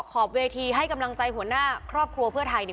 คุณวราวุฒิศิลปะอาชาหัวหน้าภักดิ์ชาติไทยพัฒนา